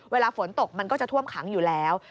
เวลาฝนตกมันก็จะท่วมขังอยู่แล้ว